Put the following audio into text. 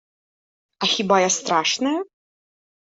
А хіба я страшная?